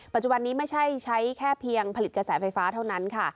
ปัจจุบันนี้ไม่ใช่ใช้แค่เพียงผลิตกระแสไฟฟ้าเท่านั้นค่ะ